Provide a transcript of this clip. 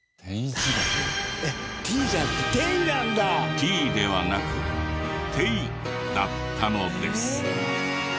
Ｔではなく丁だったのです。